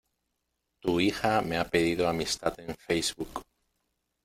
Tu hija me ha pedido amistad en Facebook.